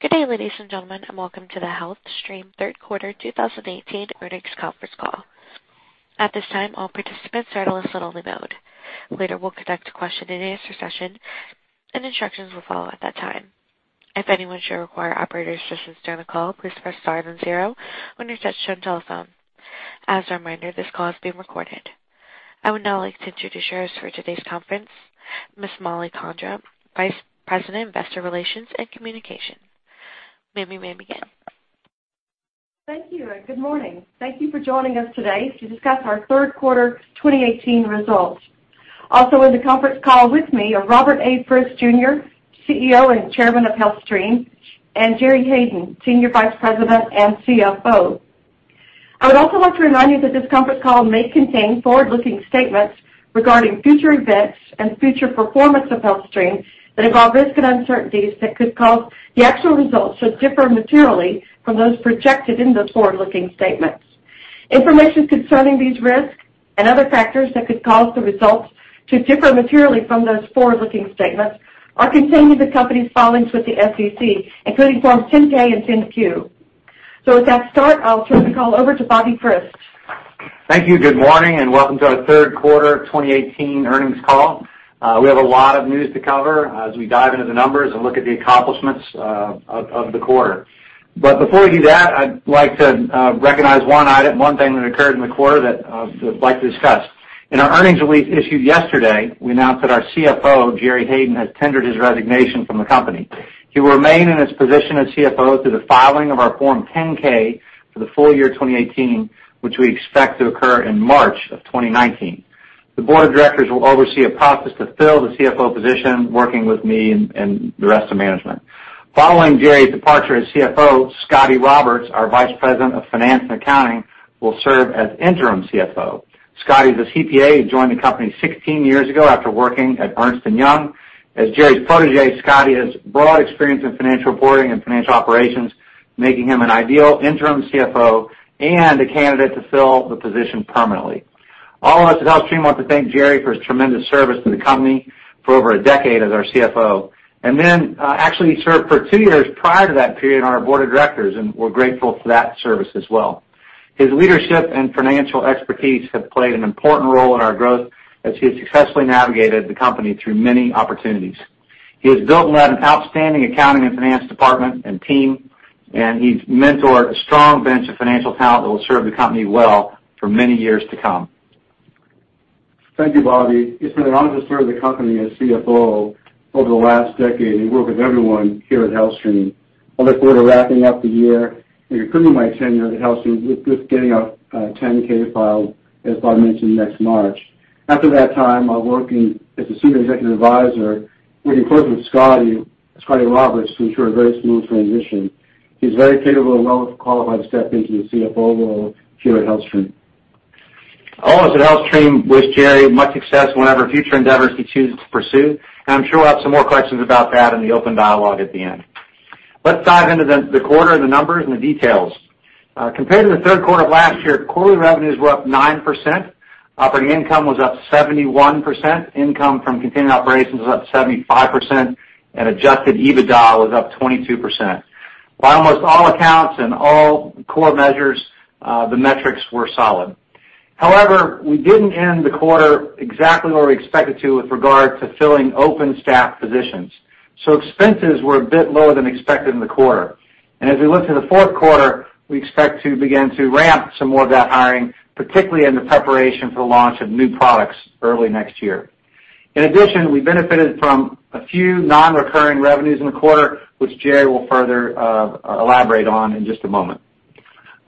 Good day, ladies and gentlemen. Welcome to the HealthStream Third Quarter 2018 Earnings Conference Call. At this time, all participants are in a listen-only mode. Later, we'll conduct a question-and-answer session, and instructions will follow at that time. If anyone should require operator assistance during the call, please press star then zero when you're set on telephone. As a reminder, this call is being recorded. I would now like to introduce you to our host for today's conference, Ms. Mollie Condra, Vice President of Investor Relations and Communications. Ma'am, you may begin. Thank you. Good morning. Thank you for joining us today to discuss our third quarter 2018 results. Also in the conference call with me are Robert A. Frist Jr., CEO and Chairman of HealthStream, and Gerry Hayden, Senior Vice President and CFO. I would also like to remind you that this conference call may contain forward-looking statements regarding future events and future performance of HealthStream that involve risks and uncertainties that could cause the actual results to differ materially from those projected in those forward-looking statements. Information concerning these risks and other factors that could cause the results to differ materially from those forward-looking statements are contained in the company's filings with the SEC, including Forms 10-K and 10-Q. With that start, I'll turn the call over to Bobby Frist. Thank you. Good morning. Welcome to our third quarter 2018 earnings call. We have a lot of news to cover as we dive into the numbers and look at the accomplishments of the quarter. Before we do that, I'd like to recognize one item, one thing that occurred in the quarter that I would like to discuss. In our earnings release issued yesterday, we announced that our CFO, Gerry Hayden, has tendered his resignation from the company. He will remain in his position as CFO through the filing of our Form 10-K for the full year 2018, which we expect to occur in March of 2019. The board of directors will oversee a process to fill the CFO position, working with me and the rest of management. Following Gerry's departure as CFO, Scotty Roberts, our Vice President of Finance and Accounting, will serve as interim CFO. Scotty is a CPA who joined the company 16 years ago after working at Ernst & Young. As Gerry's protege, Scotty has broad experience in financial reporting and financial operations, making him an ideal interim CFO and a candidate to fill the position permanently. All of us at HealthStream want to thank Gerry for his tremendous service to the company for over a decade as our CFO. Actually, he served for two years prior to that period on our board of directors, and we're grateful for that service as well. His leadership and financial expertise have played an important role in our growth as he has successfully navigated the company through many opportunities. He has built and led an outstanding accounting and finance department and team, and he's mentored a strong bench of financial talent that will serve the company well for many years to come. Thank you, Bobby. It's been an honor to serve the company as CFO over the last decade and work with everyone here at HealthStream. I look forward to wrapping up the year and concluding my tenure at HealthStream with getting a 10-K filed, as Bobby mentioned, next March. After that time, I'll work as a senior executive advisor, working closely with Scotty Roberts to ensure a very smooth transition. He's very capable and well qualified to step into the CFO role here at HealthStream. All of us at HealthStream wish Gerry much success in whatever future endeavors he chooses to pursue, and I'm sure we'll have some more questions about that in the open dialogue at the end. Let's dive into the quarter, the numbers, and the details. Compared to the third quarter of last year, quarterly revenues were up 9%, operating income was up 71%, income from continuing operations was up 75%, and adjusted EBITDA was up 22%. By almost all accounts and all core measures, the metrics were solid. However, we didn't end the quarter exactly where we expected to with regard to filling open staff positions, expenses were a bit lower than expected in the quarter. As we look to the fourth quarter, we expect to begin to ramp some more of that hiring, particularly in the preparation for the launch of new products early next year. In addition, we benefited from a few non-recurring revenues in the quarter, which Gerry will further elaborate on in just a moment.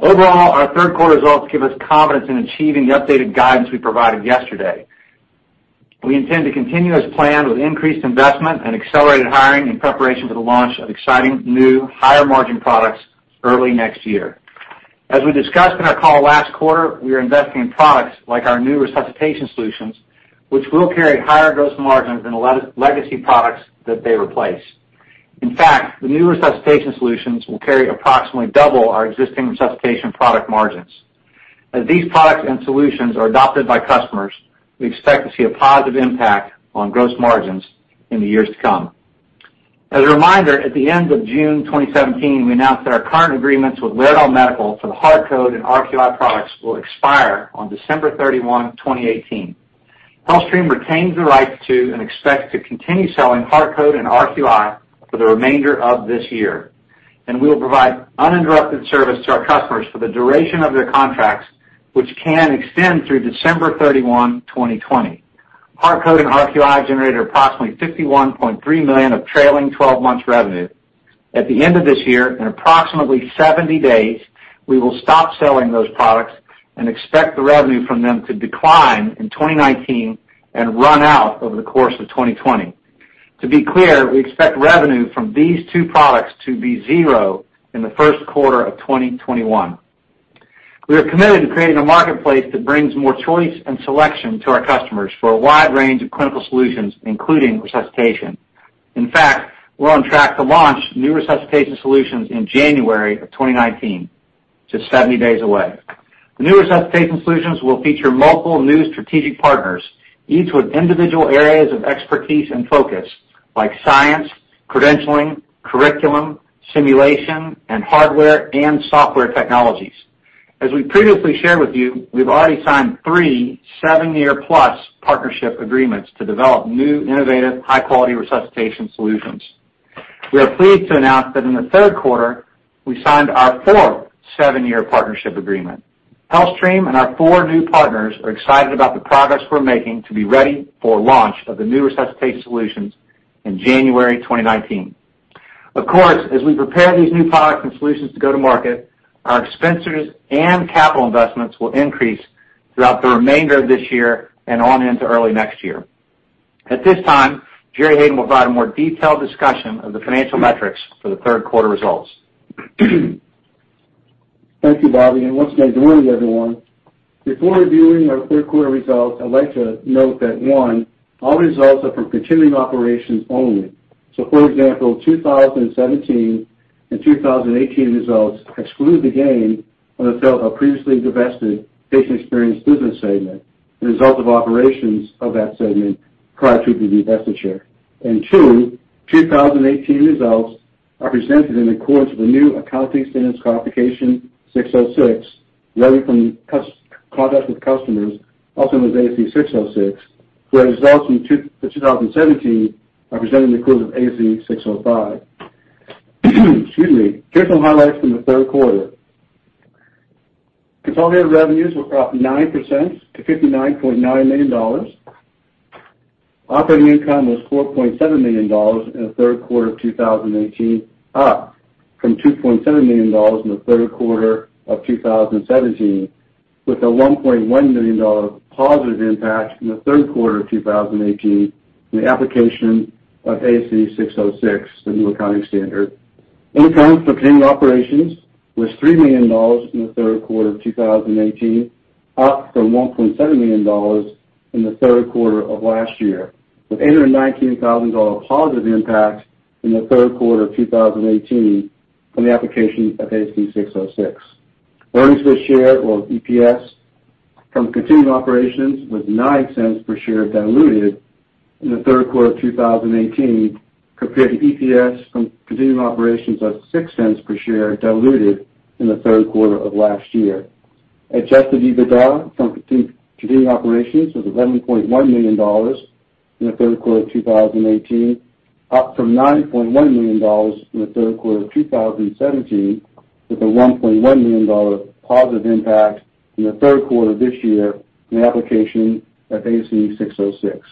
Overall, our third quarter results give us confidence in achieving the updated guidance we provided yesterday. We intend to continue as planned with increased investment and accelerated hiring in preparation for the launch of exciting new, higher-margin products early next year. As we discussed in our call last quarter, we are investing in products like our new Resuscitation solutions, which will carry higher gross margins than legacy products that they replace. In fact, the new Resuscitation solutions will carry approximately double our existing Resuscitation product margins. As these products and solutions are adopted by customers, we expect to see a positive impact on gross margins in the years to come. As a reminder, at the end of June 2017, we announced that our current agreements with Laerdal Medical for the HeartCode and RQI products will expire on December 31, 2018. HealthStream retains the right to, and expects to, continue selling HeartCode and RQI for the remainder of this year, and we will provide uninterrupted service to our customers for the duration of their contracts, which can extend through December 31, 2020. HeartCode and RQI generated approximately $51.3 million of trailing 12 months revenue. At the end of this year, in approximately 70 days, we will stop selling those products and expect the revenue from them to decline in 2019 and run out over the course of 2020. To be clear, we expect revenue from these two products to be zero in the first quarter of 2021. We are committed to creating a marketplace that brings more choice and selection to our customers for a wide range of clinical solutions, including resuscitation. In fact, we're on track to launch new resuscitation solutions in January of 2019. Just 70 days away. The newest resuscitation solutions will feature multiple new strategic partners, each with individual areas of expertise and focus, like science, credentialing, curriculum, simulation, and hardware and software technologies. As we previously shared with you, we've already signed three seven-year plus partnership agreements to develop new, innovative, high-quality resuscitation solutions. We are pleased to announce that in the third quarter, we signed our fourth seven-year partnership agreement. HealthStream and our four new partners are excited about the progress we're making to be ready for launch of the new resuscitation solutions in January 2019. As we prepare these new products and solutions to go to market, our expenses and capital investments will increase throughout the remainder of this year and on into early next year. At this time, Gerard Hayden will provide a more detailed discussion of the financial metrics for the third quarter results. Thank you, Bobby, and once again, good morning, everyone. Before reviewing our third quarter results, I'd like to note that, one, all results are from continuing operations only. For example, 2017 and 2018 results exclude the gain on the sale of previously divested Patient Experience business segment, the result of operations of that segment prior to the divestiture. Two, 2018 results are presented in accordance with the new Accounting Standards Codification 606, Revenue from Contract with Customers, also known as ASC 606, where results for 2017 are presented in accordance with ASC 605. Excuse me. Here are some highlights from the third quarter. Consolidated revenues were up 9% to $59.9 million. Operating income was $4.7 million in the third quarter of 2018, up from $2.7 million in the third quarter of 2017, with a $1.1 million positive impact in the third quarter of 2018 from the application of ASC 606, the new accounting standard. Income from continued operations was $3 million in the third quarter of 2018, up from $1.7 million in the third quarter of last year, with $819,000 positive impact in the third quarter of 2018 from the application of ASC 606. Earnings per share or EPS from continued operations was $0.09 per share diluted in the third quarter of 2018 compared to EPS from continued operations of $0.06 per share diluted in the third quarter of last year. Adjusted EBITDA from continued operations was $11.1 million in the third quarter of 2018, up from $9.1 million in the third quarter of 2017, with a $1.1 million positive impact in the third quarter this year from the application of ASC 606.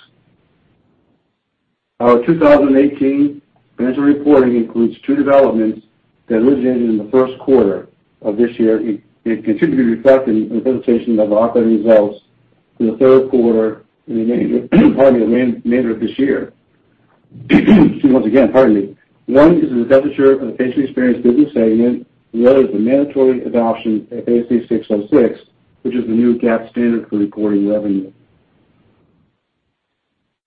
Our 2018 financial reporting includes two developments that originated in the first quarter of this year and continue to be reflected in the presentation of operating results for the third quarter and the remainder of this year. Excuse me once again, pardon me. One is the divestiture of the Patient Experience business segment. The other is the mandatory adoption of ASC 606, which is the new GAAP standard for reporting revenue.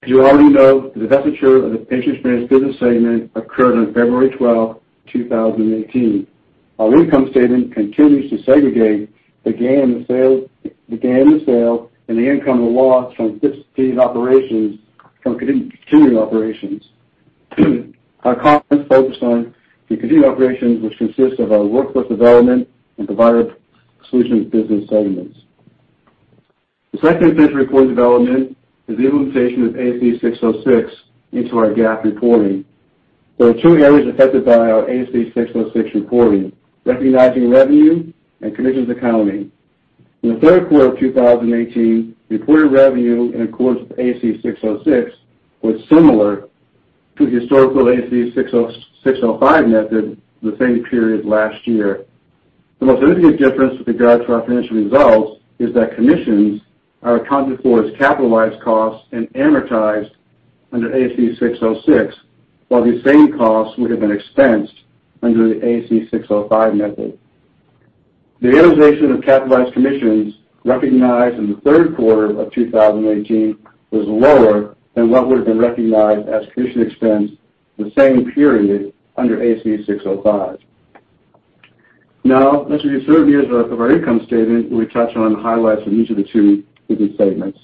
As you already know, the divestiture of the Patient Experience business segment occurred on February 12, 2018. Our income statement continues to segregate the gain and the sale and the income and loss from discontinued operations. Our comments focus on the continued operations, which consist of our Workforce Solutions and Provider Solutions business segments. The second financial reporting development is the implementation of ASC 606 into our GAAP reporting. There are two areas affected by our ASC 606 reporting, recognizing revenue and commissions accounting. In the third quarter of 2018, reported revenue in accordance with ASC 606 was similar to the historical ASC 605 method for the same period last year. The most significant difference with regard to our financial results is that commissions are accounted for as capitalized costs and amortized under ASC 606, while these same costs would have been expensed under the ASC 605 method. The utilization of capitalized commissions recognized in the third quarter of 2018 was lower than what would have been recognized as commission expense in the same period under ASC 605. Now, let's review certain areas of our income statement. We touch on the highlights of each of the two business segments.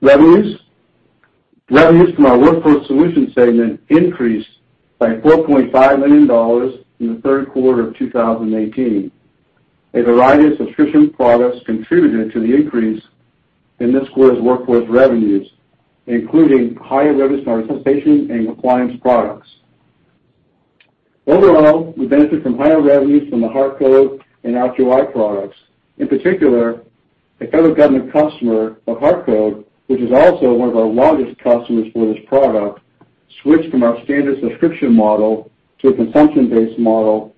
Revenues. Revenues from our Workforce Solutions segment increased by $4.5 million in the third quarter of 2018. A variety of subscription products contributed to the increase in this quarter's workforce revenues, including higher revenues from our Resuscitation and Compliance products. Overall, we benefited from higher revenues from the HeartCode and ACLS products. In particular, a federal government customer of HeartCode, which is also one of our largest customers for this product, switched from our standard subscription model to a consumption-based model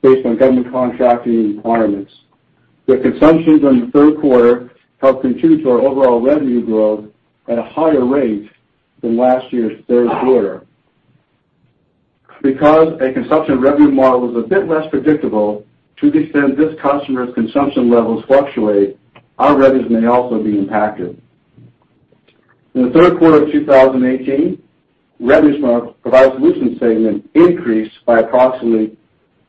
based on government contracting requirements. The consumption during the third quarter helped contribute to our overall revenue growth at a higher rate than last year's third quarter. Because a consumption revenue model is a bit less predictable, to the extent this customer's consumption levels fluctuate, our revenues may also be impacted. In the third quarter of 2018, revenues from our Provider Solutions segment increased by approximately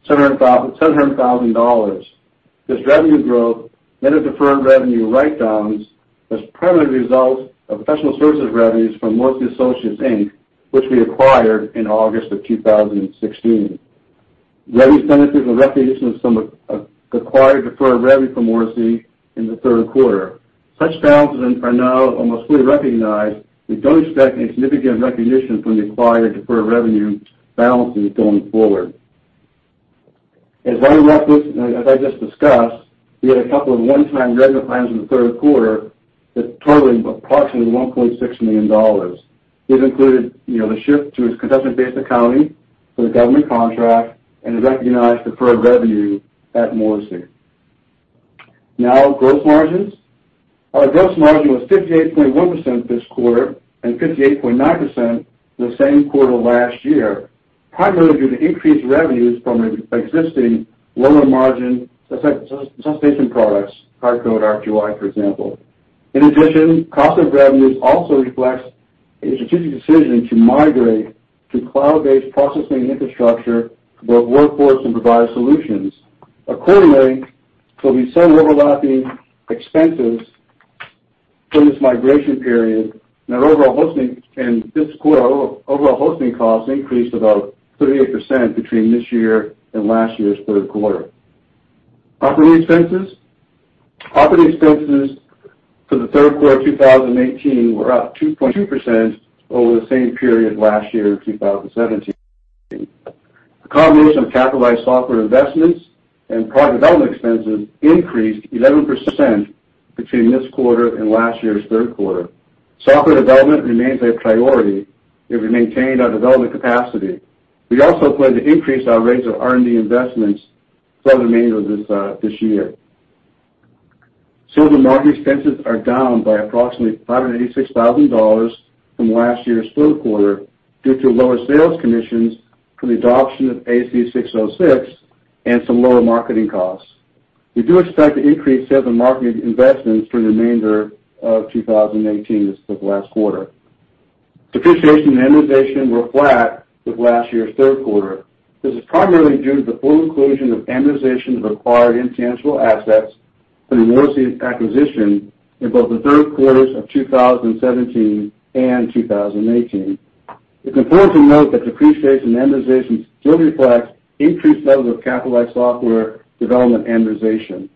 $700,000. This revenue growth meant a deferred revenue write-downs as primary results of professional services revenues from Morrissey Associates, Inc., which we acquired in August of 2016. Revenue benefited from recognition of some of the acquired deferred revenue from Morrissey in the third quarter. Such balances are now almost fully recognized. We don't expect any significant recognition from the acquired deferred revenue balances going forward. As I just discussed, we had a couple of one-time revenue items in the third quarter that totaling approximately $1.6 million. This included the shift to a consumption-based accounting for the government contract and the recognized deferred revenue at Morrissey. Now, gross margins. Our gross margin was 58.1% this quarter and 58.9% the same quarter last year, primarily due to increased revenues from existing lower-margin sustain products, HeartCode RQI, for example. In addition, cost of revenues also reflects a strategic decision to migrate to cloud-based processing infrastructure for both Workforce Solutions and Provider Solutions. There'll be some overlapping expenses during this migration period and this quarter, overall hosting costs increased about 38% between this year and last year's third quarter. Operating expenses. Operating expenses for the third quarter of 2018 were up 2.2% over the same period last year, 2017. The combination of capitalized software investments and product development expenses increased 11% between this quarter and last year's third quarter. Software development remains a priority as we maintain our development capacity. We also plan to increase our rates of R&D investments for the remainder of this year. Sales and marketing expenses are down by approximately $586,000 from last year's third quarter due to lower sales commissions from the adoption of ASC 606 and some lower marketing costs. We do expect to increase sales and marketing investments for the remainder of 2018 as of last quarter. Depreciation and amortization were flat with last year's third quarter. This is primarily due to the full inclusion of amortization of acquired intangible assets from the Morrissey acquisition in both the third quarters of 2017 and 2018. It's important to note that depreciation and amortization still reflects increased levels of capitalized software development amortization.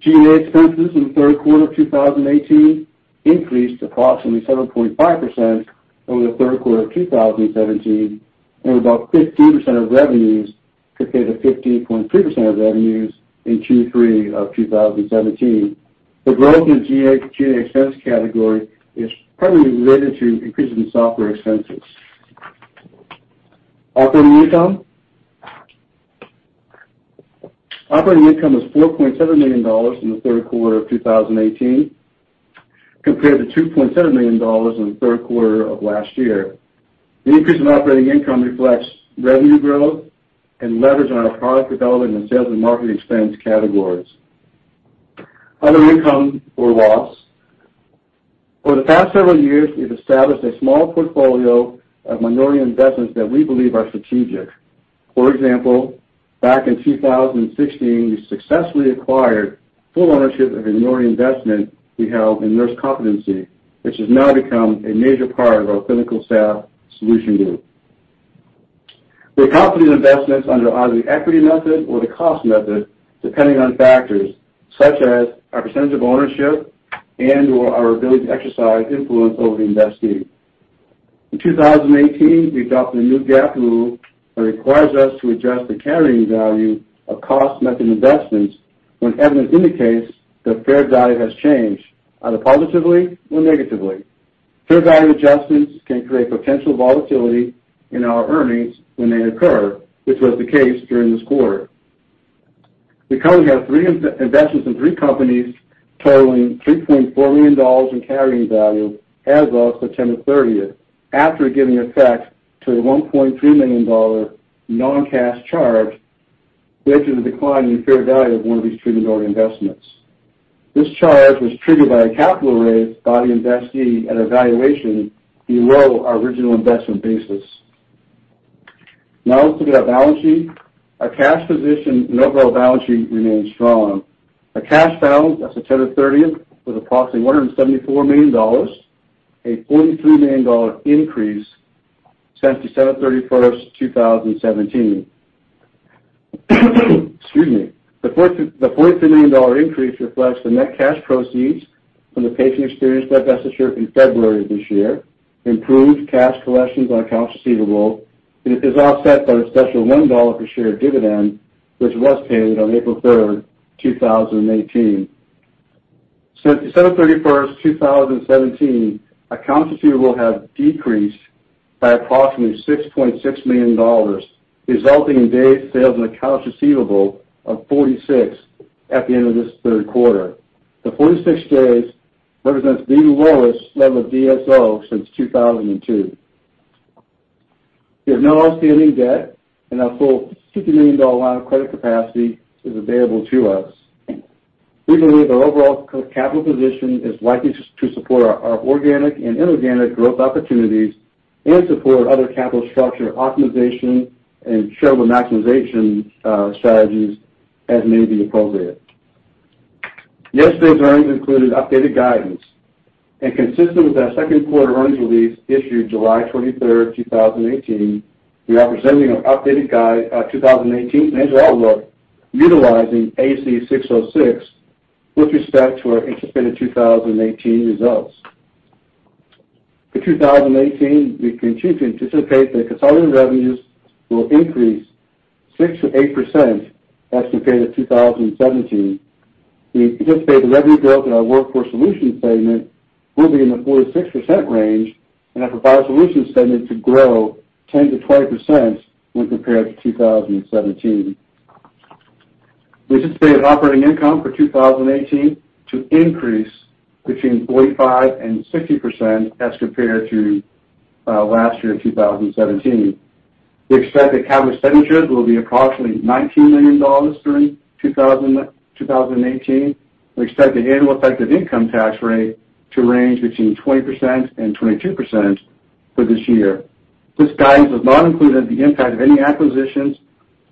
G&A expenses in the third quarter of 2018 increased approximately 7.5% over the third quarter of 2017, and about 15% of revenues compared to 15.3% of revenues in Q3 of 2017. The growth in G&A expense category is primarily related to increases in software expenses. Operating income. Operating income was $4.7 million in the third quarter of 2018 compared to $2.7 million in the third quarter of last year. The increase in operating income reflects revenue growth and leverage on our product development and sales and marketing expense categories. Other income or loss. Over the past several years, we've established a small portfolio of minority investments that we believe are strategic. For example, back in 2016, we successfully acquired full ownership of a minority investment we held in Nurse Competency, which has now become a major part of our clinical staff solution group. We account these investments under either the equity method or the cost method, depending on factors such as our percentage of ownership and/or our ability to exercise influence over the investee. In 2018, we adopted a new GAAP rule that requires us to adjust the carrying value of cost method investments when evidence indicates that fair value has changed, either positively or negatively. Fair value adjustments can create potential volatility in our earnings when they occur, which was the case during this quarter. The company has investments in three companies totaling $3.4 million in carrying value as of September 30th, after giving effect to a $1.3 million non-cash charge due to the decline in fair value of one of these three minority investments. This charge was triggered by a capital raise by the investee at a valuation below our original investment basis. Now let's look at our balance sheet. Our cash position and overall balance sheet remains strong. Our cash balance as of September 30th was approximately $174 million, a $43 million increase since December 31st, 2017. Excuse me. The $43 million increase reflects the net cash proceeds from the Patient Experience divestiture in February of this year, improved cash collections on accounts receivable. It is offset by the special $1 per share dividend, which was paid on April 3rd, 2018. Since December 31st, 2017, accounts receivable have decreased by approximately $6.6 million, resulting in days sales in accounts receivable of 46 at the end of this third quarter. The 46 days represents the lowest level of DSO since 2002. We have no outstanding debt and our full $60 million line of credit capacity is available to us. We believe our overall capital position is likely to support our organic and inorganic growth opportunities and support other capital structure optimization and shareholder maximization strategies as may be appropriate. Yesterday's earnings included updated guidance. Consistent with our second quarter earnings release issued July 23rd, 2018, we are presenting an updated 2018 financial outlook utilizing ASC 606 with respect to our anticipated 2018 results. For 2018, we continue to anticipate that consolidated revenues will increase 6%-8% as compared to 2017. We anticipate the revenue growth in our Workforce Solutions segment will be in the 4%-6% range, and our Provider Solutions segment to grow 10%-12% when compared to 2017. We anticipate operating income for 2018 to increase between 45% and 60% as compared to last year, 2017. We expect that capital expenditures will be approximately $19 million during 2018. We expect the annual effective income tax rate to range between 20% and 22% for this year. This guidance does not include the impact of any acquisitions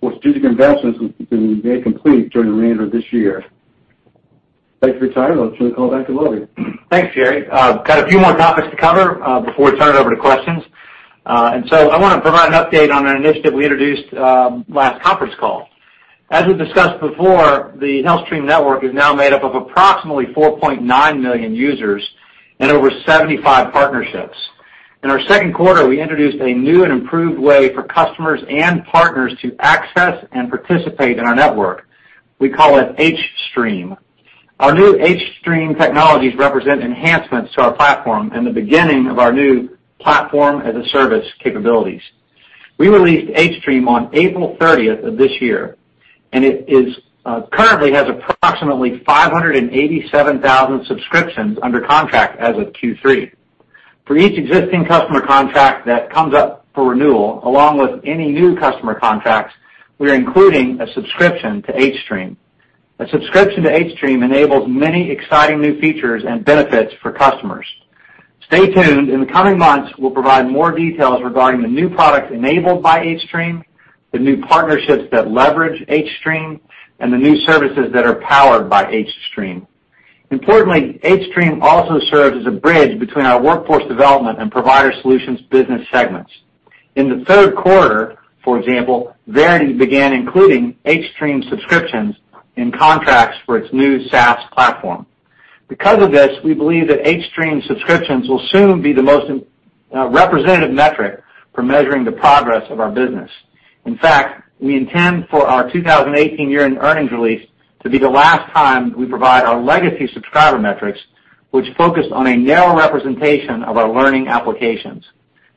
or strategic investments that we may complete during the remainder of this year. Thank you for your time. I'll turn the call back to Robert. Thanks, Jerry. Got a few more topics to cover before we turn it over to questions. I want to provide an update on an initiative we introduced last conference call. As we discussed before, the HealthStream Network is now made up of approximately 4.9 million users and over 75 partnerships. In our second quarter, we introduced a new and improved way for customers and partners to access and participate in our network. We call it hStream. Our new hStream technologies represent enhancements to our platform and the beginning of our new platform as a service capabilities. We released hStream on April 30th of this year, and it currently has approximately 587,000 subscriptions under contract as of Q3. For each existing customer contract that comes up for renewal, along with any new customer contracts, we are including a subscription to hStream. A subscription to hStream enables many exciting new features and benefits for customers. Stay tuned. In the coming months, we'll provide more details regarding the new products enabled by hStream, the new partnerships that leverage hStream, and the new services that are powered by hStream. Importantly, hStream also serves as a bridge between our Workforce Solutions and Provider Solutions business segments. In the third quarter, for example, Verity began including hStream subscriptions in contracts for its new SaaS platform. Because of this, we believe that hStream subscriptions will soon be the most representative metric for measuring the progress of our business. In fact, we intend for our 2018 year-end earnings release to be the last time we provide our legacy subscriber metrics, which focus on a narrow representation of our learning applications.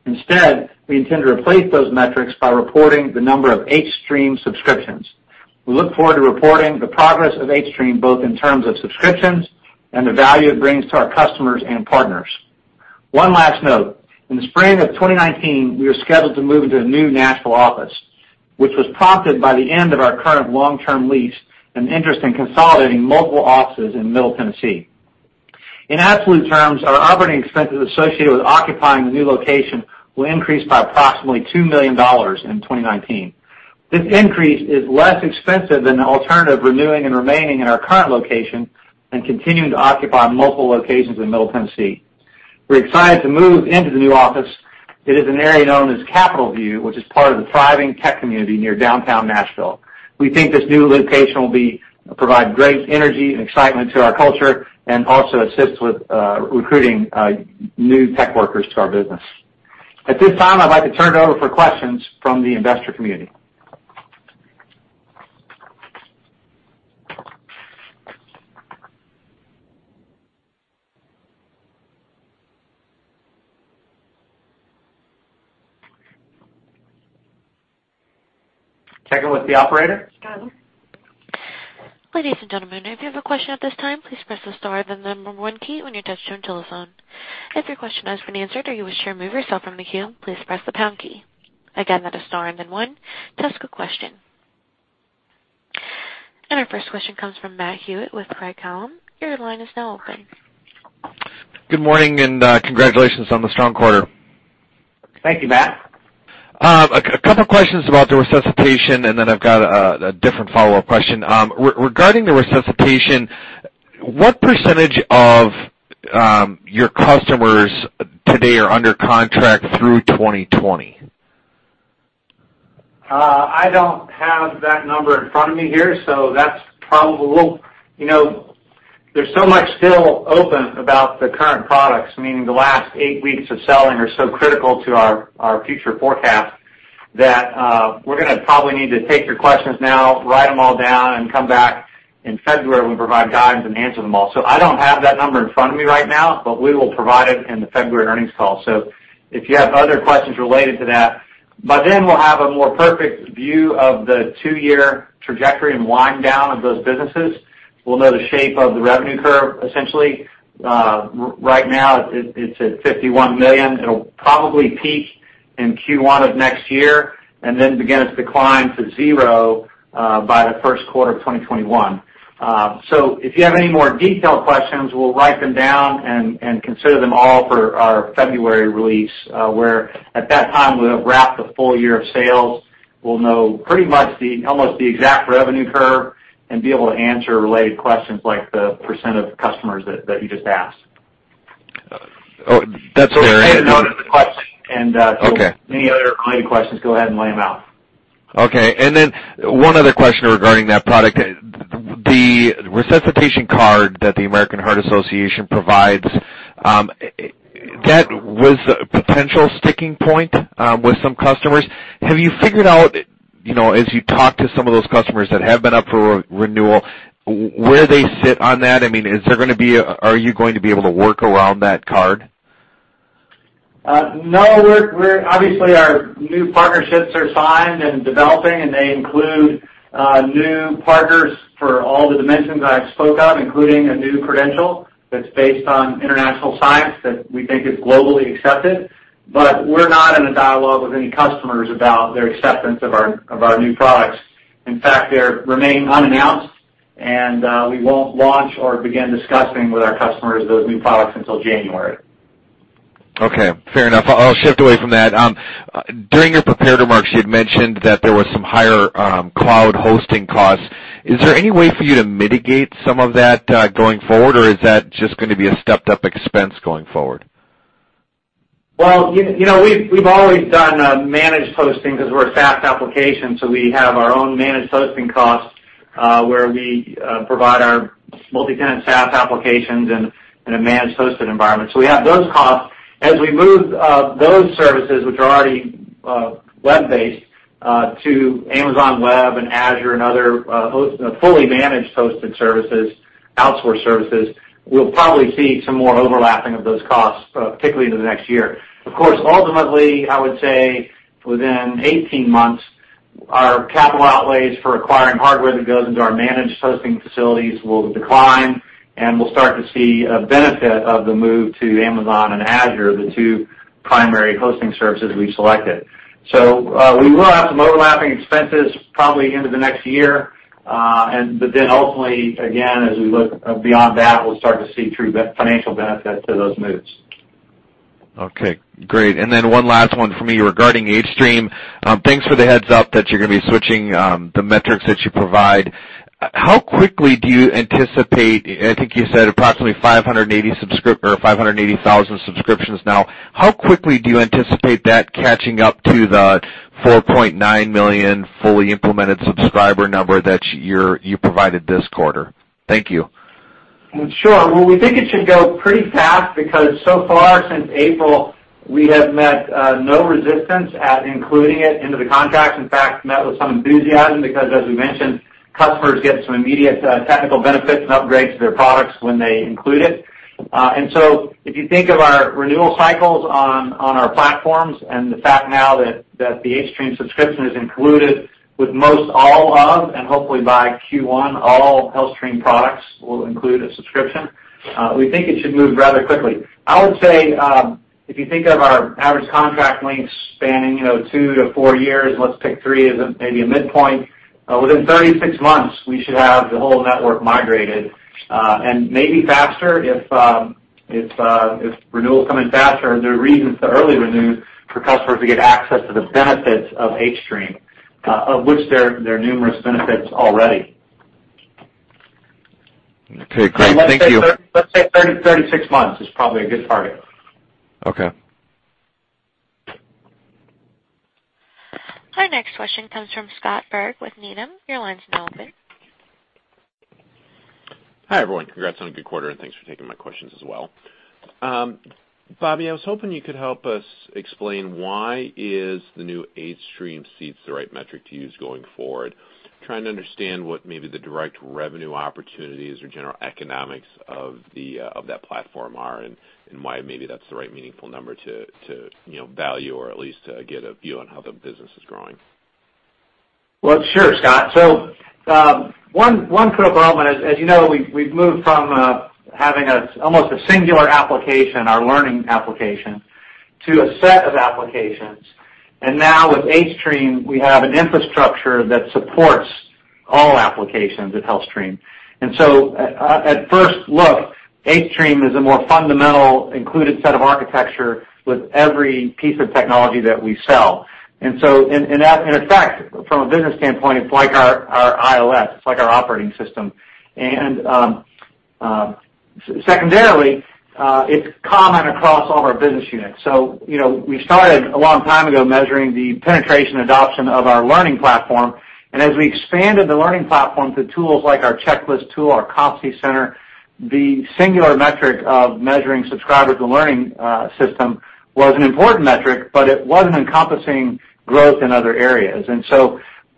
Instead, we intend to replace those metrics by reporting the number of hStream subscriptions. We look forward to reporting the progress of hStream, both in terms of subscriptions and the value it brings to our customers and partners. One last note. In the spring of 2019, we are scheduled to move into a new Nashville office, which was prompted by the end of our current long-term lease and interest in consolidating multiple offices in Middle Tennessee. In absolute terms, our operating expenses associated with occupying the new location will increase by approximately $2 million in 2019. This increase is less expensive than the alternative of renewing and remaining in our current location and continuing to occupy multiple locations in Middle Tennessee. We're excited to move into the new office. It is an area known as Capital View, which is part of the thriving tech community near downtown Nashville. We think this new location will provide great energy and excitement to our culture and also assist with recruiting new tech workers to our business. At this time, I'd like to turn it over for questions from the investor community. Check in with the operator. Got it. Ladies and gentlemen, if you have a question at this time, please press the star, then the number one key on your touch-tone telephone. If your question has been answered or you wish to remove yourself from the queue, please press the pound key. Again, that is star and then one to ask a question. Our first question comes from Matt Hewitt with Craig-Hallum. Your line is now open. Good morning, congratulations on the strong quarter. Thank you, Matt. A couple questions about the Resuscitation, then I've got a different follow-up question. Regarding the Resuscitation, what % of your customers today are under contract through 2020? I don't have that number in front of me here, that's probably. There's so much still open about the current products, meaning the last 8 weeks of selling are so critical to our future forecast that we're going to probably need to take your questions now, write them all down, and come back in February when we provide guidance and answer them all. I don't have that number in front of me right now, but we will provide it in the February earnings call. If you have other questions related to that. By then, we'll have a more perfect view of the 2-year trajectory and wind down of those businesses. We'll know the shape of the revenue curve, essentially. Right now, it's at $51 million. It'll probably peak in Q1 of next year, then begin to decline to zero by the first quarter of 2021. If you have any more detailed questions, we'll write them down and consider them all for our February release, where at that time, we'll have wrapped the full year of sales. We'll know pretty much almost the exact revenue curve and be able to answer related questions like the % of customers that you just asked. That's fair. I noted the question. Okay. Any other related questions, go ahead and lay them out. Okay. One other question regarding that product. The Resuscitation card that the American Heart Association provides, that was a potential sticking point with some customers. Have you figured out, as you talk to some of those customers that have been up for renewal, where they sit on that? Are you going to be able to work around that card? No. Obviously, our new partnerships are signed and developing, and they include new partners for all the dimensions I spoke of, including a new credential that's based on international science that we think is globally accepted. We're not in a dialogue with any customers about their acceptance of our new products. In fact, they remain unannounced, and we won't launch or begin discussing with our customers those new products until January. Okay. Fair enough. I'll shift away from that. During your prepared remarks, you had mentioned that there was some higher cloud hosting costs. Is there any way for you to mitigate some of that going forward, or is that just going to be a stepped-up expense going forward? Well, we've always done managed hosting because we're a SaaS application, we have our own managed hosting costs, where we provide our multi-tenant SaaS applications in a managed hosted environment. We have those costs. As we move those services, which are already web-based, to Amazon Web and Azure and other fully managed hosted services, outsourced services, we'll probably see some more overlapping of those costs, particularly into the next year. Of course, ultimately, I would say within 18 months, our capital outlays for acquiring hardware that goes into our managed hosting facilities will decline, and we'll start to see a benefit of the move to Amazon Web and Azure, the two primary hosting services we selected. We will have some overlapping expenses probably into the next year. Ultimately, again, as we look beyond that, we'll start to see true financial benefit to those moves. Okay. Great. One last one from me regarding hStream. Thanks for the heads-up that you're going to be switching the metrics that you provide. How quickly do you anticipate, I think you said approximately 580,000 subscriptions now. How quickly do you anticipate that catching up to the 4.9 million fully implemented subscriber number that you provided this quarter? Thank you. Sure. Well, we think it should go pretty fast because so far since April, we have met no resistance at including it into the contract. In fact, met with some enthusiasm because as we mentioned, customers get some immediate technical benefits and upgrades to their products when they include it. If you think of our renewal cycles on our platforms and the fact now that the hStream subscription is included with most all of them, and hopefully by Q1, all HealthStream products will include a subscription. We think it should move rather quickly. I would say, if you think of our average contract lengths spanning two to four years, let's pick three as maybe a midpoint. Within 36 months, we should have the whole network migrated, and maybe faster if renewals come in faster and there are reasons to early renew for customers to get access to the benefits of hStream, of which there are numerous benefits already. Okay, great. Thank you. Let's say 36 months is probably a good target. Okay. Our next question comes from Scott Berg with Needham. Your line's now open. Hi, everyone. Congrats on a good quarter, and thanks for taking my questions as well. Bobby, I was hoping you could help us explain why is the new hStream seats the right metric to use going forward? Trying to understand what maybe the direct revenue opportunities or general economics of that platform are and why maybe that's the right meaningful number to value or at least get a view on how the business is growing. Well, sure, Scott. One quick problem, as you know, we've moved from having almost a singular application, our learning application, to a set of applications. Now with hStream, we have an infrastructure that supports all applications at HealthStream. At first look, hStream is a more fundamental included set of architecture with every piece of technology that we sell. In effect, from a business standpoint, it's like our ILS. It's like our operating system. Secondarily, it's common across all of our business units. We started a long time ago measuring the penetration adoption of our learning platform, and as we expanded the learning platform to tools like our checklist tool, our Competency Center, the singular metric of measuring subscribers to learning system was an important metric, it wasn't encompassing growth in other areas.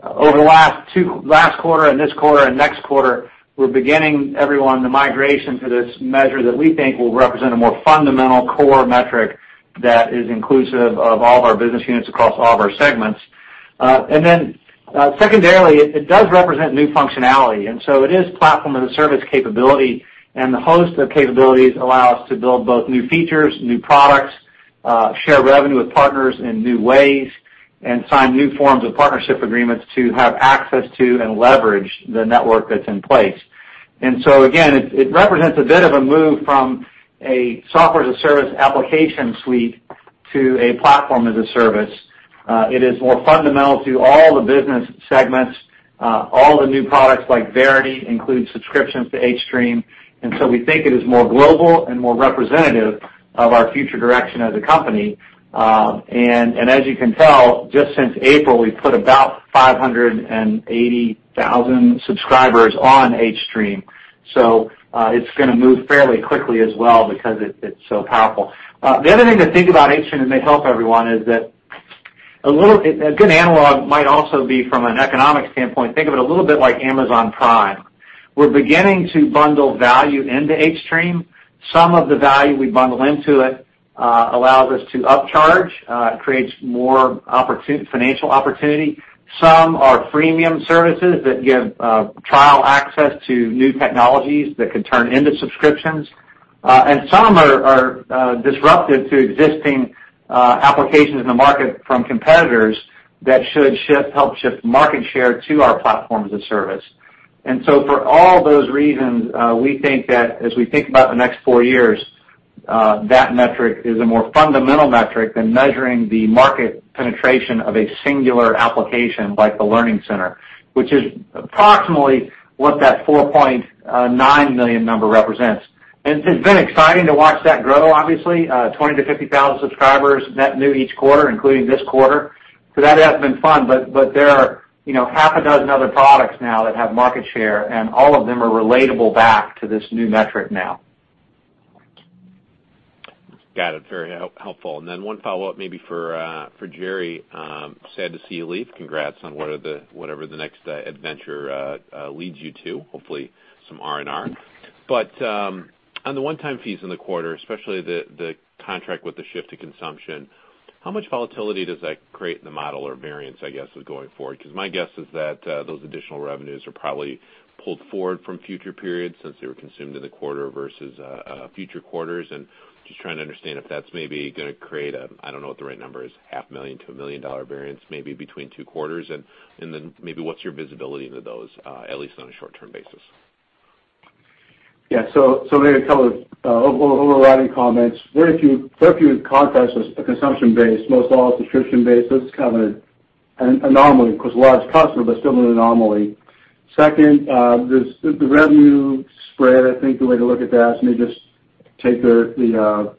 Over the last quarter and this quarter and next quarter, we're beginning, everyone, the migration to this measure that we think will represent a more fundamental core metric that is inclusive of all of our business units across all of our segments. Secondarily, it does represent new functionality, so it is platform-as-a-service capability. The host of capabilities allow us to build both new features, new products, share revenue with partners in new ways, and sign new forms of partnership agreements to have access to and leverage the network that's in place. Again, it represents a bit of a move from a software-as-a-service application suite to a platform-as-a-service. It is more fundamental to all the business segments. All the new products like Verity include subscriptions to hStream. We think it is more global and more representative of our future direction as a company. As you can tell, just since April, we've put about 580,000 subscribers on hStream. It's going to move fairly quickly as well because it's so powerful. The other thing to think about hStream that may help everyone is that a good analog might also be from an economic standpoint. Think of it a little bit like Amazon Prime. We're beginning to bundle value into hStream. Some of the value we bundle into it allows us to upcharge, creates more financial opportunity. Some are freemium services that give trial access to new technologies that could turn into subscriptions. Some are disruptive to existing applications in the market from competitors that should help shift market share to our platform-as-a-service. For all those reasons, we think that as we think about the next 4 years, that metric is a more fundamental metric than measuring the market penetration of a singular application like the Learning Center, which is approximately what that 4.9 million number represents. It's been exciting to watch that grow, obviously. 20,000 to 50,000 subscribers net new each quarter, including this quarter. That has been fun, but there are half a dozen other products now that have market share, and all of them are relatable back to this new metric now. Got it. Very helpful. One follow-up maybe for Gerry. Sad to see you leave. Congrats on whatever the next adventure leads you to, hopefully some R&R. On the one-time fees in the quarter, especially the contract with the shift to consumption, how much volatility does that create in the model or variance, I guess, going forward? Because my guess is that those additional revenues are probably pulled forward from future periods since they were consumed in the quarter versus future quarters. Just trying to understand if that's maybe going to create a, I don't know what the right number is, half million to $1 million variance maybe between 2 quarters. Maybe what's your visibility into those, at least on a short-term basis? Maybe a couple of overriding comments. Very few contracts were consumption-based. Most all subscription-based, it's kind of an anomaly. Of course, a large customer, still an anomaly. Second, the revenue spread, I think the way to look at that is maybe just take the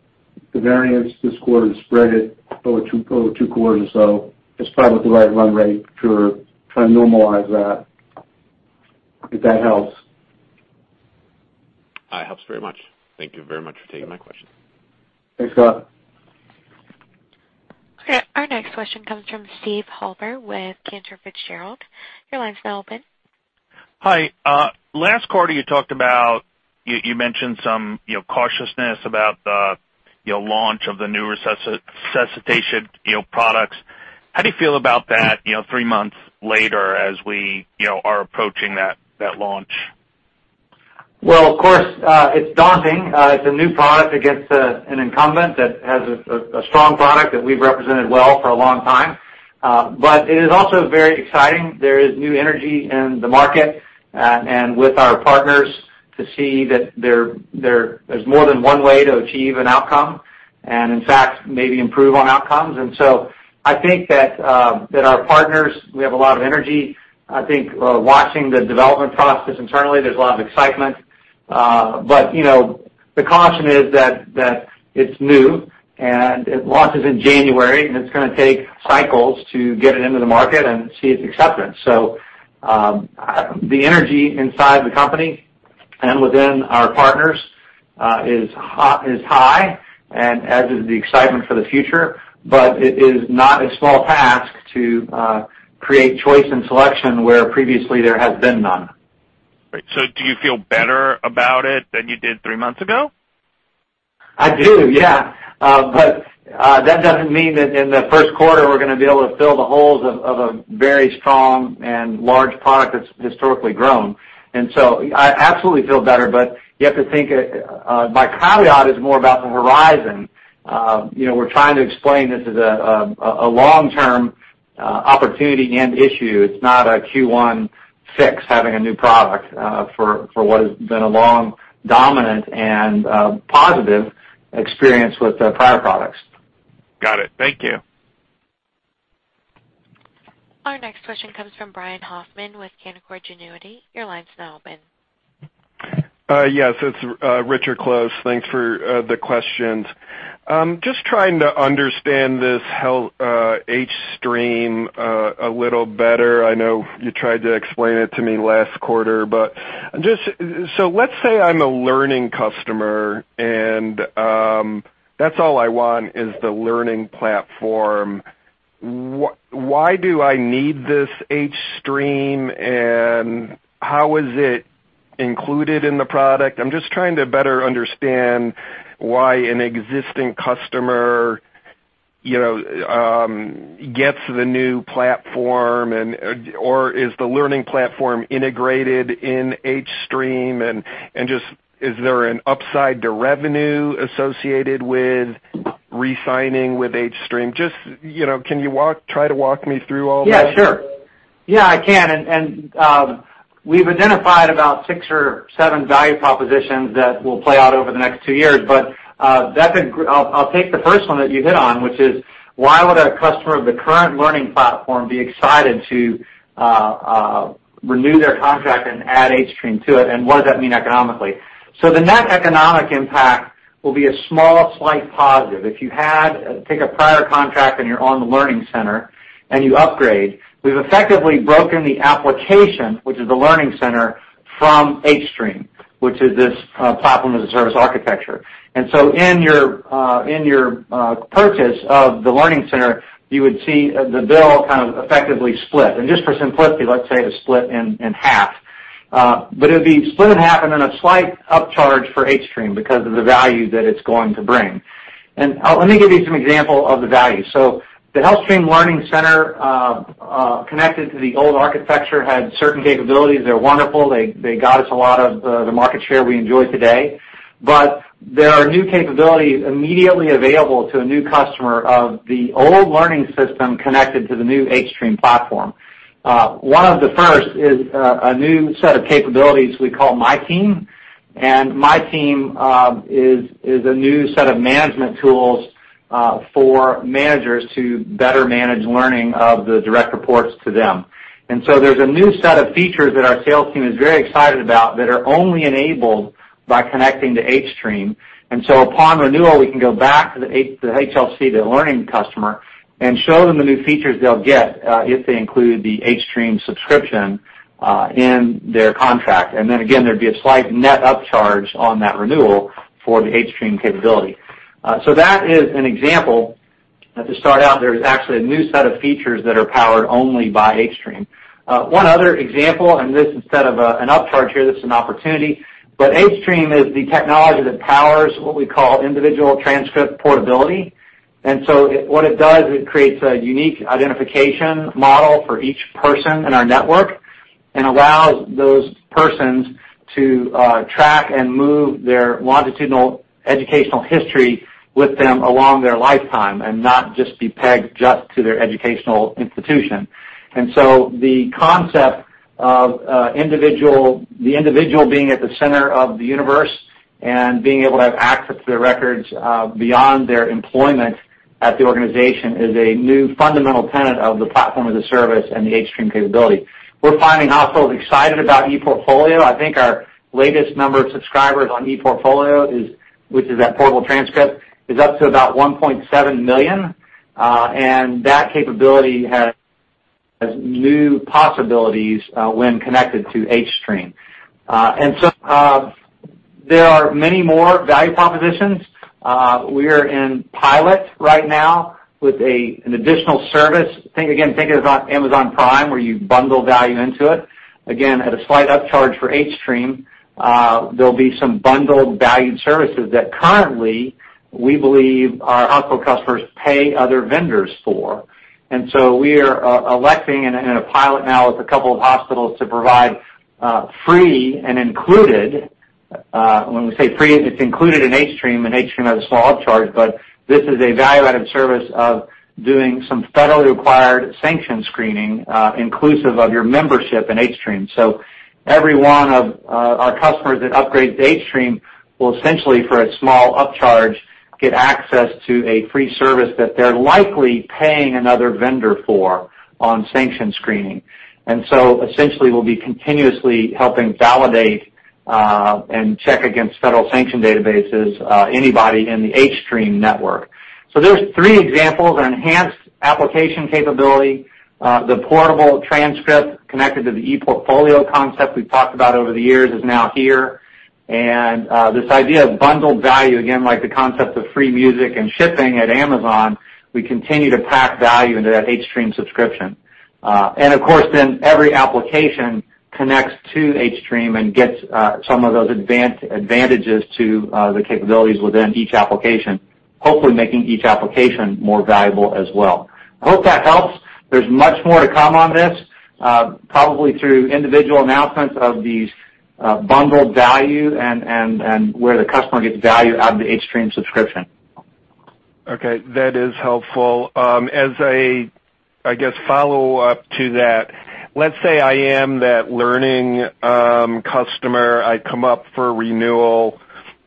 variance this quarter and spread it over two quarters or so is probably the right run rate to try to normalize that, if that helps. It helps very much. Thank you very much for taking my question. Thanks, Scott. Our next question comes from Steven Halper with Cantor Fitzgerald. Your line's now open. Hi. Last quarter, you mentioned some cautiousness about the launch of the new Resuscitation products. How do you feel about that three months later as we are approaching that launch? Well, of course, it's daunting. It's a new product against an incumbent that has a strong product that we've represented well for a long time. It is also very exciting. There is new energy in the market and with our partners to see that there's more than one way to achieve an outcome and in fact, maybe improve on outcomes. I think that our partners, we have a lot of energy. I think watching the development process internally, there's a lot of excitement. The caution is that it's new and it launches in January, and it's going to take cycles to get it into the market and see its acceptance. The energy inside the company and within our partners is high and as is the excitement for the future, but it is not a small task to create choice and selection where previously there has been none. Great. Do you feel better about it than you did three months ago? I do, yeah. That doesn't mean that in the first quarter we're going to be able to fill the holes of a very strong and large product that's historically grown. I absolutely feel better, but you have to think my caveat is more about the horizon. We're trying to explain this as a long-term opportunity and issue. It's not a Q1 fix having a new product for what has been a long dominant and positive experience with the prior products. Got it. Thank you. Our next question comes from Brian Hoffman with Canaccord Genuity. Your line's now open. Yes, it's Richard Close. Thanks for the questions. Just trying to understand this hStream a little better. I know you tried to explain it to me last quarter. Let's say I'm a learning customer and that's all I want is the learning platform. Why do I need this hStream and how is it included in the product? I'm just trying to better understand why an existing customer gets the new platform, or is the learning platform integrated in hStream? Is there an upside to revenue associated with re-signing with hStream? Can you try to walk me through all that? Yeah, sure. Yeah, I can. We've identified about six or seven value propositions that will play out over the next two years. I'll take the first one that you hit on, which is, why would a customer of the current Learning Center be excited to renew their contract and add hStream to it, and what does that mean economically? The net economic impact will be a small, slight positive. If you take a prior contract and you're on the Learning Center and you upgrade, we've effectively broken the application, which is the Learning Center, from hStream, which is this platform as a service architecture. In your purchase of the Learning Center, you would see the bill effectively split. Just for simplicity, let's say it is split in half. It'd be split in half and then a slight upcharge for hStream because of the value that it's going to bring. Let me give you some example of the value. The HealthStream Learning Center, connected to the old architecture, had certain capabilities. They're wonderful. They got us a lot of the market share we enjoy today. There are new capabilities immediately available to a new customer of the old learning system connected to the new hStream platform. One of the first is a new set of capabilities we call My Team. My Team is a new set of management tools for managers to better manage learning of the direct reports to them. There's a new set of features that our sales team is very excited about that are only enabled by connecting to hStream. Upon renewal, we can go back to the HLC, the learning customer, and show them the new features they'll get if they include the hStream subscription in their contract. Again, there'd be a slight net upcharge on that renewal for the hStream capability. That is an example. To start out, there is actually a new set of features that are powered only by hStream. One other example, and this, instead of an upcharge here, this is an opportunity, but hStream is the technology that powers what we call individual transcript portability. What it does is it creates a unique identification model for each person in our network and allows those persons to track and move their longitudinal educational history with them along their lifetime and not just be pegged just to their educational institution. The concept of the individual being at the center of the universe and being able to have access to their records beyond their employment at the organization is a new fundamental tenet of the platform as a service and the hStream capability. We're finding hospitals excited about ePortfolio. I think our latest number of subscribers on ePortfolio, which is that portable transcript, is up to about 1.7 million. That capability has new possibilities when connected to hStream. There are many more value propositions. We're in pilot right now with an additional service. Again, think of Amazon Prime where you bundle value into it. Again, at a slight upcharge for hStream, there'll be some bundled valued services that currently, we believe our hospital customers pay other vendors for. We are electing in a pilot now with a couple of hospitals to provide free and included, when we say free, it's included in hStream, and hStream has a small upcharge, but this is a value-added service of doing some federally required sanction screening inclusive of your membership in hStream. Every one of our customers that upgrades to hStream will essentially, for a small upcharge, get access to a free service that they're likely paying another vendor for on sanction screening. Essentially, we'll be continuously helping validate and check against federal sanction databases anybody in the hStream network. There's three examples. An enhanced application capability, the portable transcript connected to the ePortfolio concept we've talked about over the years is now here, this idea of bundled value, again, like the concept of free music and shipping at Amazon, we continue to pack value into that hStream subscription. Of course, every application connects to hStream and gets some of those advantages to the capabilities within each application, hopefully making each application more valuable as well. I hope that helps. There's much more to come on this, probably through individual announcements of these bundled value and where the customer gets value out of the hStream subscription. Okay, that is helpful. As a, I guess, follow-up to that, let's say I am that learning customer. I come up for renewal,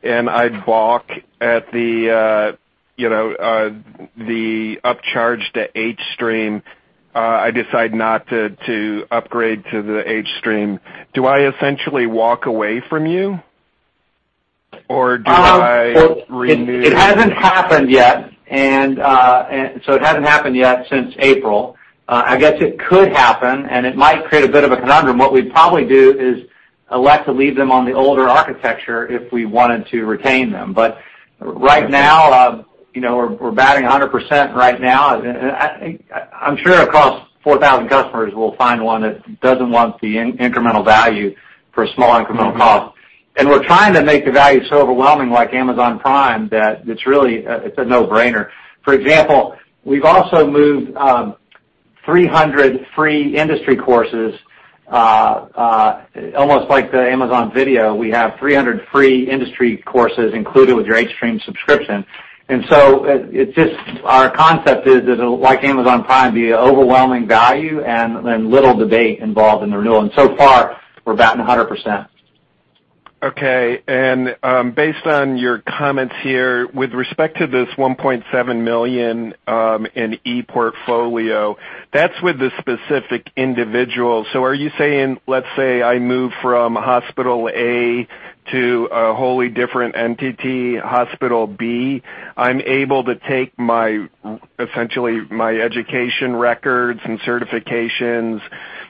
and I balk at the upcharge to hStream. I decide not to upgrade to the hStream. Do I essentially walk away from you, or do I renew? It hasn't happened yet. It hasn't happened yet since April. I guess it could happen, and it might create a bit of a conundrum. What we'd probably do is elect to leave them on the older architecture if we wanted to retain them. Right now, we're batting 100% right now. I'm sure across 4,000 customers, we'll find one that doesn't want the incremental value for a small incremental cost. We're trying to make the value so overwhelming, like Amazon Prime, that it's really a no-brainer. For example, we've also moved 300 free industry courses, almost like the Amazon Video, we have 300 free industry courses included with your HealthStream subscription. Our concept is that, like Amazon Prime, the overwhelming value and then little debate involved in the renewal. So far, we're batting 100%. Based on your comments here, with respect to this $1.7 million in ePortfolio, that's with the specific individual. Are you saying, let's say I move from hospital A to a wholly different entity, hospital B, I'm able to take essentially my education records and certifications,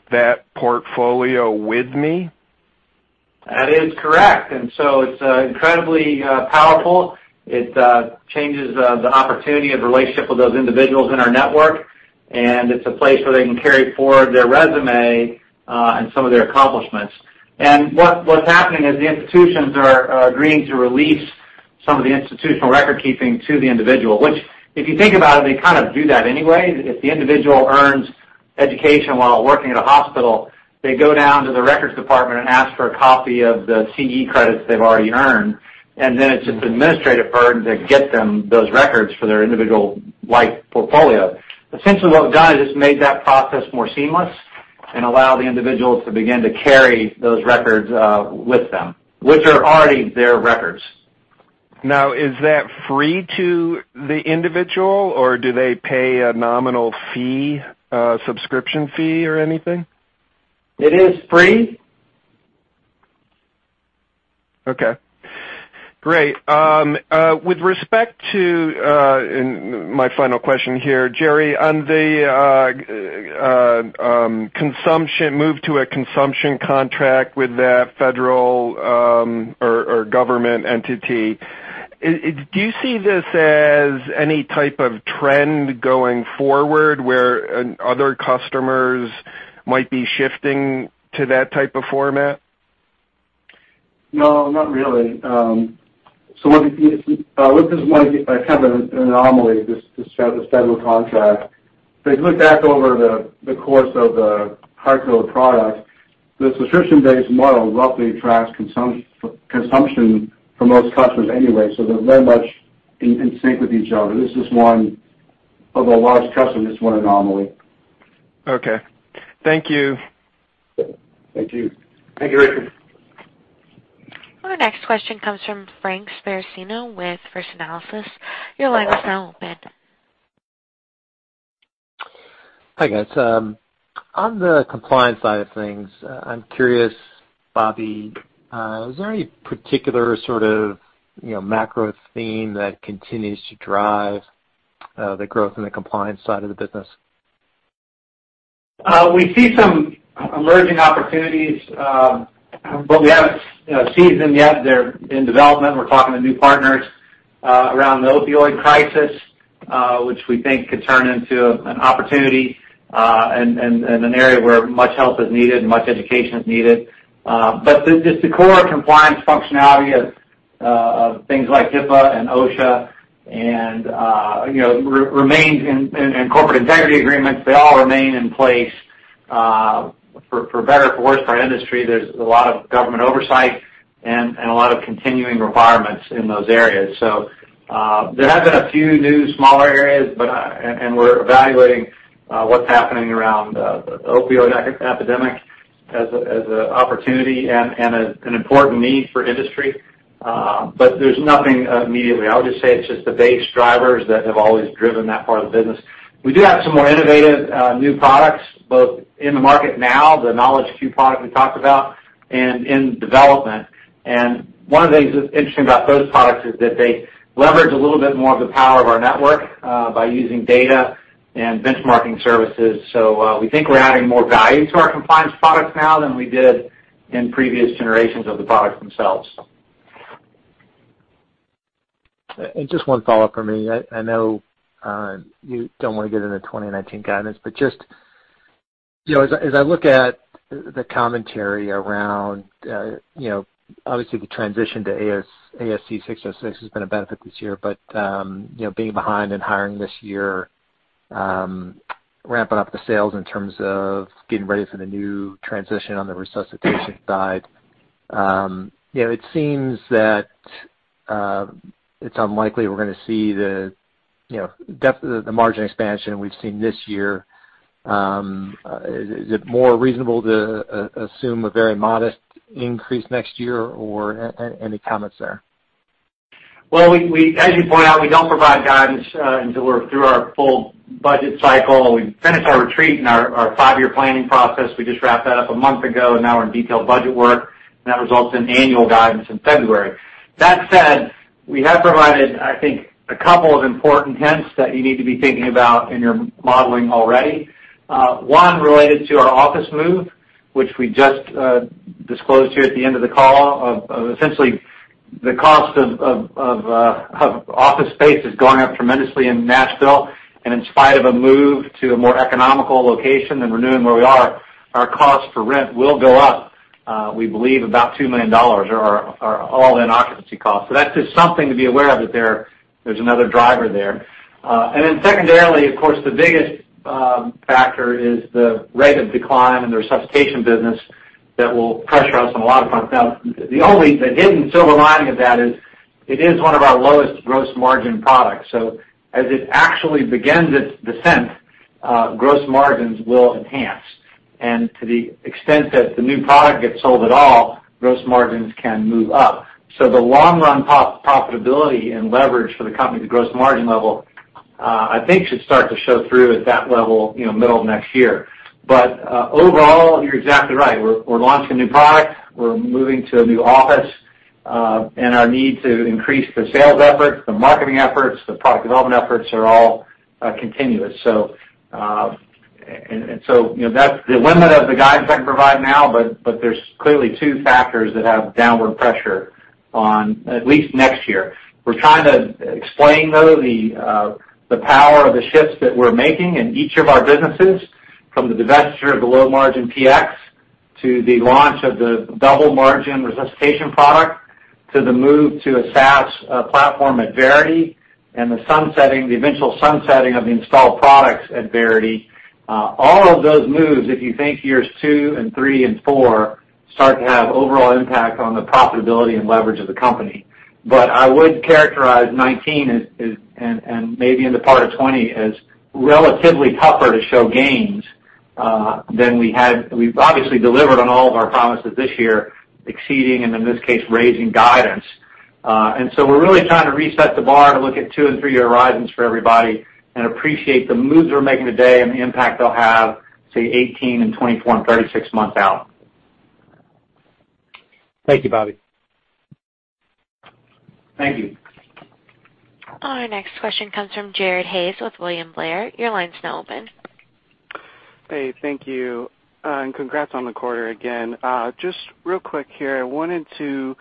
that portfolio with me? That is correct. It's incredibly powerful. It changes the opportunity and relationship with those individuals in our network, and it's a place where they can carry forward their resume, and some of their accomplishments. What's happening is the institutions are agreeing to release some of the institutional record keeping to the individual, which, if you think about it, they kind of do that anyway. If the individual earns education while working at a hospital, they go down to the records department and ask for a copy of the CE credits they've already earned, and then it's just an administrative burden to get them those records for their individual life portfolio. Essentially, what we've done is just made that process more seamless and allow the individuals to begin to carry those records with them, which are already their records. Is that free to the individual, or do they pay a nominal fee, subscription fee or anything? It is free. Okay, great. With respect to, and my final question here, Gerard, on the move to a consumption contract with that federal or government entity, do you see this as any type of trend going forward where other customers might be shifting to that type of format? No, not really. This is kind of an anomaly, this federal contract. If you look back over the course of the HeartCode product, the subscription-based model roughly tracks consumption for most customers anyway. They're very much in sync with each other. This is one of our large customers, just one anomaly. Okay. Thank you. Thank you. Thank you, Richard. Our next question comes from Frank Sparacino with First Analysis. Your line is now open. Hi, guys. On the compliance side of things, I'm curious, Bobby, is there any particular sort of macro theme that continues to drive the growth in the compliance side of the business? We see some emerging opportunities, but we haven't seized them yet. They're in development. We're talking to new partners around the opioid crisis, which we think could turn into an opportunity, and an area where much help is needed and much education is needed. Just the core compliance functionality of things like HIPAA and OSHA and corporate integrity agreements, they all remain in place. For better or for worse, for our industry, there's a lot of government oversight and a lot of continuing requirements in those areas. There have been a few new smaller areas, and we're evaluating what's happening around the opioid epidemic as an opportunity and an important need for industry. There's nothing immediately. I would just say it's just the base drivers that have always driven that part of the business. We do have some more innovative new products, both in the market now, the KnowledgeQ product we talked about, and in development. One of the things that's interesting about those products is that they leverage a little bit more of the power of our network by using data and benchmarking services. We think we're adding more value to our compliance products now than we did in previous generations of the products themselves. Just one follow-up from me. I know you don't want to get into 2019 guidance, but just as I look at the commentary around, obviously the transition to ASC 606 has been a benefit this year, but being behind in hiring this year, ramping up the sales in terms of getting ready for the new transition on the Resuscitation side. It seems that it's unlikely we're going to see the margin expansion we've seen this year. Is it more reasonable to assume a very modest increase next year, or any comments there? Well, as you point out, we don't provide guidance until we're through our full budget cycle. We finished our retreat and our five-year planning process. We just wrapped that up a month ago. Now we're in detailed budget work, and that results in annual guidance in February. That said, we have provided, I think, a couple of important hints that you need to be thinking about in your modeling already. One related to our office move which we just disclosed here at the end of the call, essentially, the cost of office space has gone up tremendously in Nashville. In spite of a move to a more economical location than renewing where we are, our cost for rent will go up, we believe, about $2 million our all-in occupancy costs. That's just something to be aware of, that there's another driver there. Then secondarily, of course, the biggest factor is the rate of decline in the Resuscitation business that will pressure us on a lot of fronts. Now, the hidden silver lining of that is it is one of our lowest gross margin products. As it actually begins its descent, gross margins will enhance. To the extent that the new product gets sold at all, gross margins can move up. The long-run profitability and leverage for the company's gross margin level, I think should start to show through at that level middle of next year. Overall, you're exactly right. We're launching a new product. We're moving to a new office, and our need to increase the sales efforts, the marketing efforts, the product development efforts are all continuous. That's the limit of the guidance I can provide now, there's clearly two factors that have downward pressure on at least next year. We're trying to explain, though, the power of the shifts that we're making in each of our businesses, from the divestiture of the low-margin PX to the launch of the double-margin Resuscitation product, to the move to a SaaS platform at Verity, and the eventual sunsetting of the installed products at Verity. All of those moves, if you think years two and three and four, start to have overall impact on the profitability and leverage of the company. I would characterize 2019 and maybe in the part of 2020 as relatively tougher to show gains than we had. We've obviously delivered on all of our promises this year, exceeding and in this case, raising guidance. We're really trying to reset the bar to look at two- and three-year horizons for everybody and appreciate the moves we're making today and the impact they'll have, say, 18 and 24 and 36 months out. Thank you, Bobby. Thank you. Our next question comes from Jared Haynes with William Blair. Your line's now open. Hey, thank you. Congrats on the quarter again. Just real quick here, I wanted to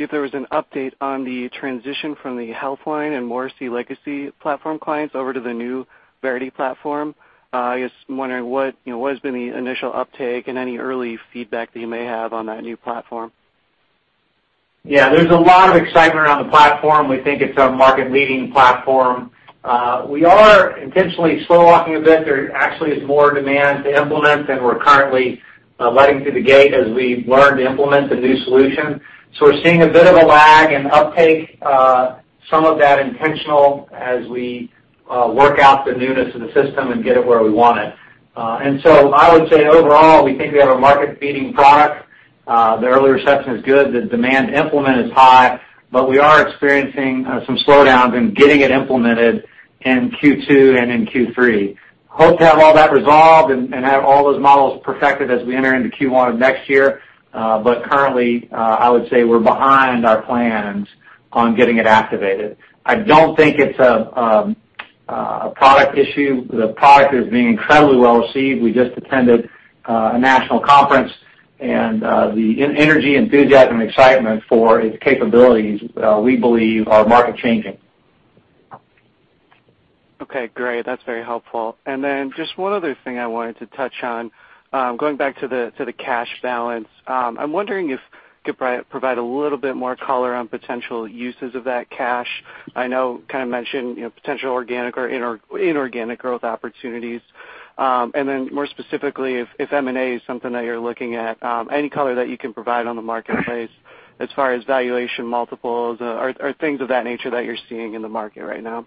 see if there was an update on the transition from the HealthLine and Morrissey legacy platform clients over to the new Verity platform. I guess, I'm wondering what has been the initial uptake and any early feedback that you may have on that new platform? Yeah, there's a lot of excitement around the platform. We think it's a market-leading platform. We are intentionally slow walking a bit. There actually is more demand to implement than we're currently letting through the gate as we learn to implement the new solution. We're seeing a bit of a lag in uptake, some of that intentional as we work out the newness of the system and get it where we want it. I would say overall, we think we have a market-leading product. The early reception is good. The demand to implement is high, we are experiencing some slowdowns in getting it implemented in Q2 and in Q3. Hope to have all that resolved and have all those models perfected as we enter into Q1 of next year. Currently, I would say we're behind our plans on getting it activated. I don't think it's a product issue. The product is being incredibly well received. We just attended a national conference, the energy, enthusiasm, excitement for its capabilities, we believe, are market changing. Okay, great. That's very helpful. Just one other thing I wanted to touch on. Going back to the cash balance. I'm wondering if you could provide a little bit more color on potential uses of that cash. I know you mentioned potential organic or inorganic growth opportunities. More specifically, if M&A is something that you're looking at, any color that you can provide on the marketplace as far as valuation multiples or things of that nature that you're seeing in the market right now?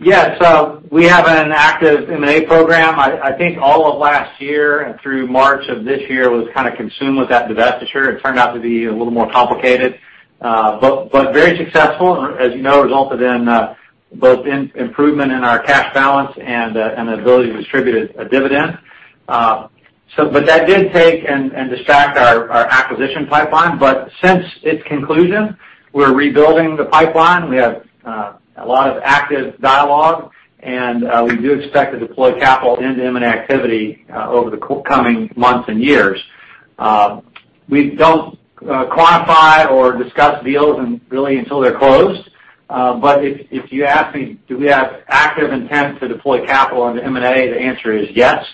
Yeah. We have an active M&A program. I think all of last year and through March of this year was consumed with that divestiture. It turned out to be a little more complicated, but very successful. As you know, it resulted in both improvement in our cash balance and an ability to distribute a dividend. That did take and distract our acquisition pipeline. Since its conclusion, we're rebuilding the pipeline. We have a lot of active dialogue, and we do expect to deploy capital into M&A activity over the coming months and years. We don't quantify or discuss deals really until they're closed. If you ask me, do we have active intent to deploy capital into M&A, the answer is yes.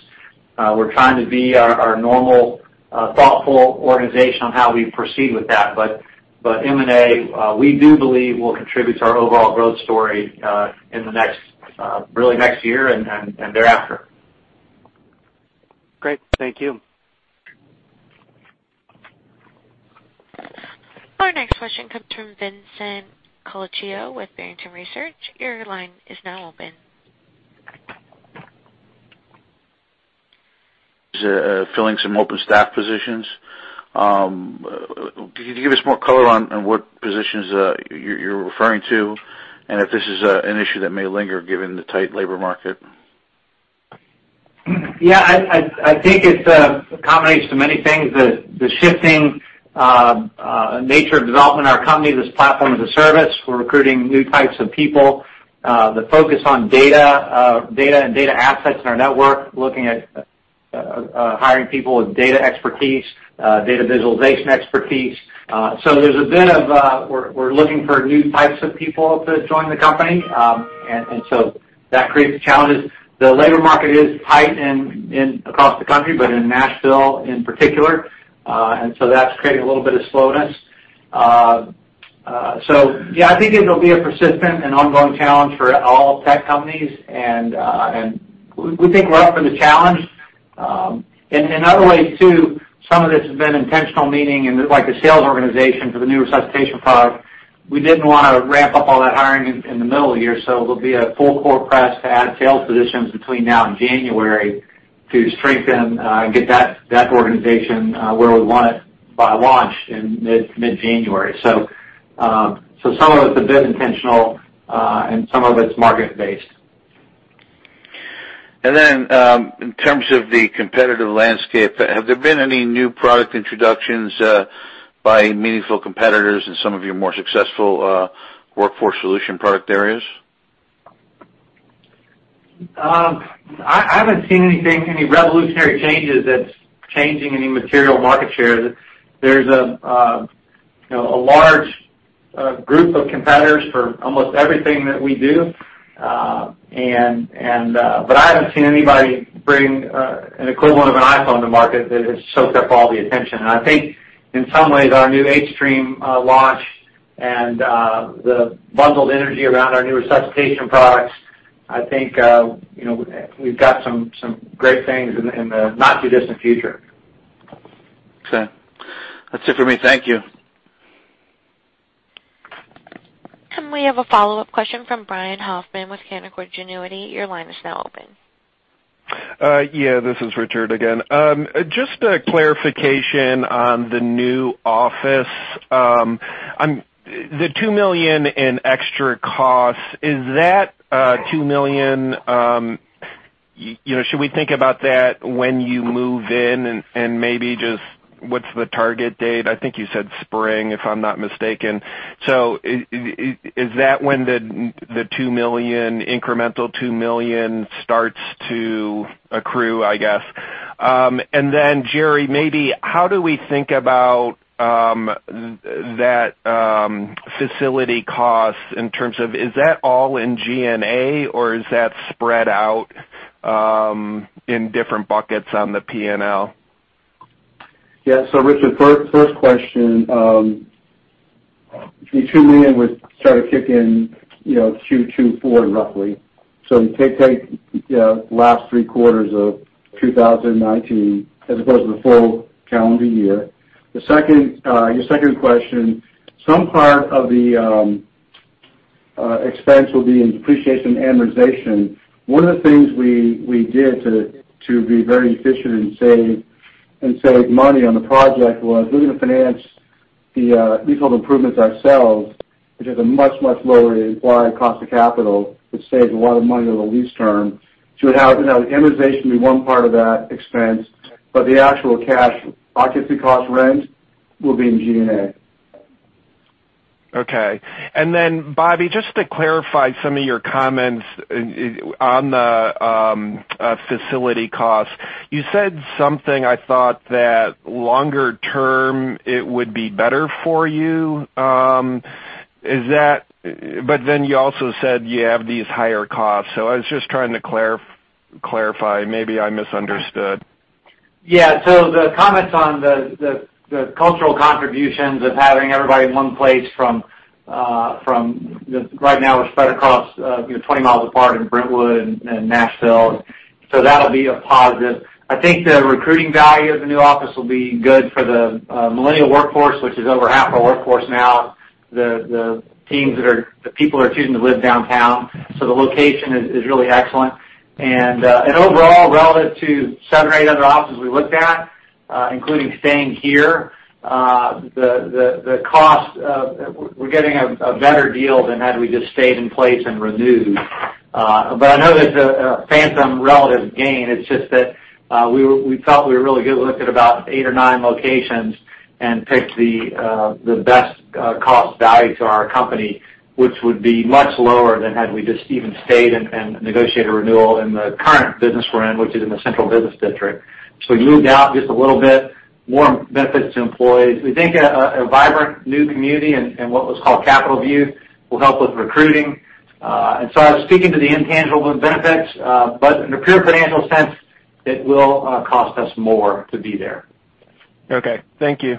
We're trying to be our normal, thoughtful organization on how we proceed with that. M&A, we do believe will contribute to our overall growth story really next year and thereafter. Great. Thank you. Our next question comes from Vince Coluccio with Barrington Research. Your line is now open. Filling some open staff positions. Could you give us more color on what positions you're referring to, and if this is an issue that may linger given the tight labor market? Yeah, I think it's a combination of many things. The shifting nature of development in our company, this platform as a service. We're recruiting new types of people. The focus on data and data assets in our network, looking at hiring people with data expertise, data visualization expertise. We're looking for new types of people to join the company, That creates challenges. The labor market is tight across the country, but in Nashville in particular, That's creating a little bit of slowness. Yeah, I think it'll be a persistent and ongoing challenge for all tech companies, and we think we're up for the challenge. In other ways, too, some of this has been intentional, meaning like the sales organization for the new Resuscitation product, we didn't want to ramp up all that hiring in the middle of the year, There'll be a full court press to add sales positions between now and January to strengthen and get that organization where we want it by launch in mid January. Some of it's a bit intentional, and some of it's market based. In terms of the competitive landscape, have there been any new product introductions by meaningful competitors in some of your more successful Workforce Solutions product areas? I haven't seen anything, any revolutionary changes that's changing any material market share. There's a large group of competitors for almost everything that we do. I haven't seen anybody bring an equivalent of an iPhone to market that has soaked up all the attention. I think in some ways, our new hStream launch and the bundled energy around our new Resuscitation products, I think, we've got some great things in the not too distant future. Okay. That's it for me. Thank you. We have a follow-up question from Brian Hoffman with Canaccord Genuity. Your line is now open. This is Richard again. Just a clarification on the new office. The $2 million in extra costs, is that $2 million, should we think about that when you move in and maybe just what's the target date? I think you said spring, if I'm not mistaken. Is that when the incremental $2 million starts to accrue, I guess? Gerry, maybe how do we think about that facility cost in terms of, is that all in G&A, or is that spread out in different buckets on the P&L? Richard, first question, the $2 million would start to kick in Q2 2019 roughly. Take the last three quarters of 2019 as opposed to the full calendar year. Your second question, some part of the expense will be in depreciation amortization. One of the things we did to be very efficient and save money on the project was we're going to finance these improvements ourselves, which is a much, much lower required cost of capital, which saves a lot of money on the lease term. It has amortization be one part of that expense, but the actual cash, obviously, cost rent will be in G&A. Okay. Bobby, just to clarify some of your comments on the facility costs, you said something I thought that longer term it would be better for you. You also said you have these higher costs. I was just trying to clarify. Maybe I misunderstood. The comments on the cultural contributions of having everybody in one place from, right now it's spread across 20 miles apart in Brentwood and Nashville. That'll be a positive. I think the recruiting value of the new office will be good for the millennial workforce, which is over half our workforce now. The people are choosing to live downtown, so the location is really excellent. Overall, relative to seven or eight other offices we looked at, including staying here, the cost, we're getting a better deal than had we just stayed in place and renewed. I know there's a phantom relative gain. It's just that we felt we were really good. We looked at about eight or nine locations and picked the best cost value to our company, which would be much lower than had we just even stayed and negotiated a renewal in the current business we're in, which is in the central business district. We moved out just a little bit, more benefits to employees. We think a vibrant new community in what was called Capitol View will help with recruiting. I was speaking to the intangible benefits, but in a pure financial sense, it will cost us more to be there. Okay. Thank you.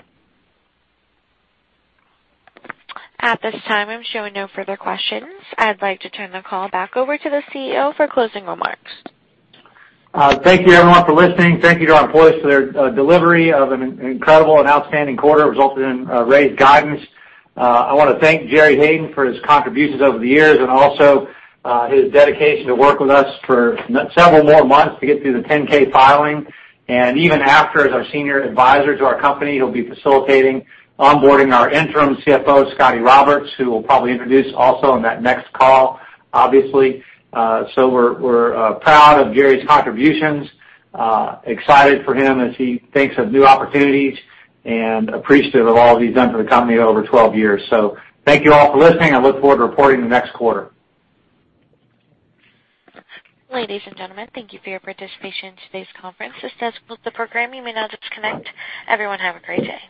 At this time, I'm showing no further questions. I'd like to turn the call back over to the CEO for closing remarks. Thank you everyone for listening. Thank you to our employees for their delivery of an incredible and outstanding quarter, resulting in raised guidance. I want to thank Gerry Hayden for his contributions over the years and also his dedication to work with us for several more months to get through the 10-K filing. Even after, as our senior advisor to our company, he'll be facilitating onboarding our interim CFO, Scotty Roberts, who we'll probably introduce also on that next call, obviously. We're proud of Gerry's contributions, excited for him as he thinks of new opportunities, and appreciative of all he's done for the company over 12 years. Thank you all for listening. I look forward to reporting the next quarter. Ladies and gentlemen, thank you for your participation in today's conference. This does conclude the program. You may now disconnect. Everyone, have a great day.